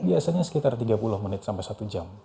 biasanya sekitar tiga puluh menit sampai satu jam